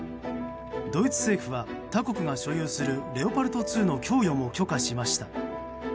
ドイツ政府は他国が所有するレオパルト２の供与も許可しました。